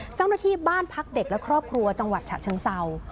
เจ้าหน้าที่บ้านพักเด็กและครอบครัวจังหวัดฉะเชิงเศร้า